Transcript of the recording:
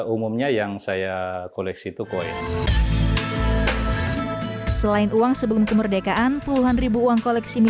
umumnya yang saya koleksi itu koin selain uang sebelum kemerdekaan puluhan ribu uang koleksi mie